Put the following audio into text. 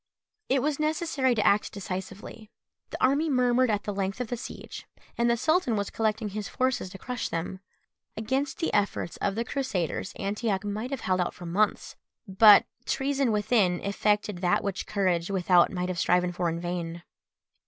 It was necessary to act decisively; the army murmured at the length of the siege, and the sultan was collecting his forces to crush them. Against the efforts of the Crusaders Antioch might have held out for months; but treason within effected that which courage without might have striven for in vain.